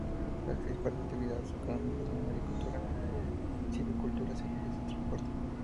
Las principales actividades económicas son: agricultura, ganadería, silvicultura, servicios y transporte.